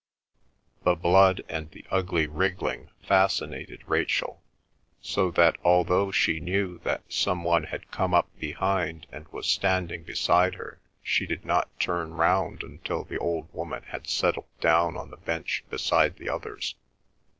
The blood and the ugly wriggling fascinated Rachel, so that although she knew that some one had come up behind and was standing beside her, she did not turn round until the old woman had settled down on the bench beside the others.